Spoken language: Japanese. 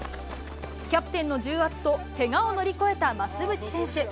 キャプテンの重圧と、けがを乗り越えた増渕選手。